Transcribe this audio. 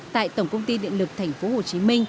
tại tổng công ty điện lực tp hcm